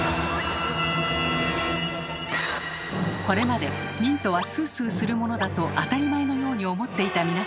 これまでミントはスースーするものだと当たり前のように思っていた皆さん。